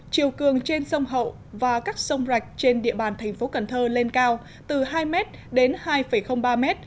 chiều cường trên sông hậu và các sông rạch trên địa bàn thành phố cần thơ lên cao từ hai m đến hai ba m